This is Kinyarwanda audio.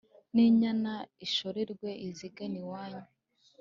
N'inyana ishorerwe iza igana iwanyu